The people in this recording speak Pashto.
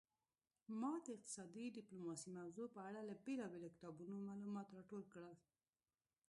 ما د اقتصادي ډیپلوماسي موضوع په اړه له بیلابیلو کتابونو معلومات راټول کړل